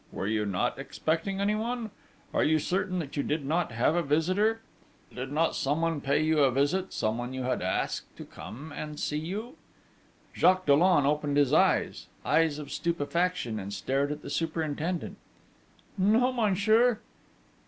Were you not expecting anyone?... Are you certain that you did not have a visitor? Did not someone pay you a visit someone you had asked to come and see you?' Jacques Dollon opened his eyes eyes of stupefaction and stared at the superintendent: 'No, monsieur.'